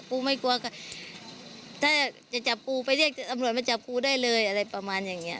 กูไม่กลัวถ้าจะจับกูไปเรียกตำรวจมาจับกูได้เลยอะไรประมาณอย่างนี้